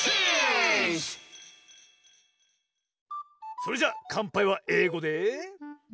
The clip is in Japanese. それじゃかんぱいは英語で。